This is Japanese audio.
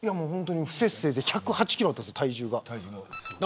不摂生で体重が１０８キロあったんです体重が。